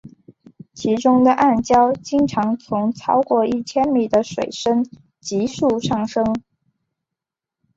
其中的暗礁经常从超过一千米的水深急速上升。